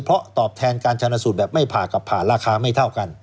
เพราะตอบแทนการชนสูตรแบบไม่ผ่ากับผ่าราคาไม่เท่ากัน